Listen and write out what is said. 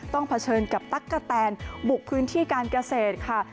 เผชิญกับตั๊กกะแตนบุกพื้นที่การเกษตรค่ะ